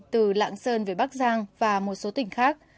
từ lạng sơn về bắc giang và một số tỉnh khác